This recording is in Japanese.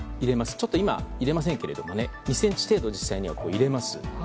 ちょっと今は入れませんけれども２ｃｍ程度、実際には入れます。